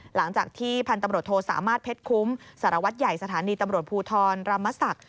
หลังจากที่พันธุ์ตำรวจโทสามารถเพชรคุ้มสารวัตรใหญ่สถานีตำรวจภูทรรมศักดิ์